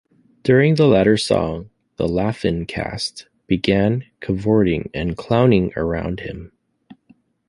During the latter song the "Laugh-In" cast began cavorting and clowning around him.